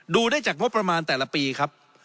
ดูได้จากงบประมาณแต่ละปีครับ